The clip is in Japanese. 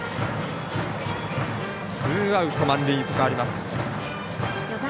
ツーアウト、満塁と変わります。